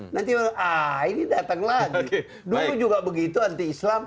nanti ah ini datang lagi dulu juga begitu anti islam